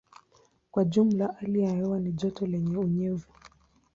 Kwa jumla hali ya hewa ni joto lenye unyevu.